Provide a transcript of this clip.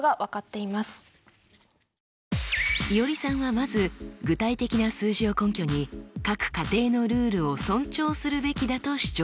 いおりさんはまず具体的な数字を根拠に各家庭のルールを尊重するべきだと主張しました。